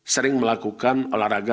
sering melakukan olahraga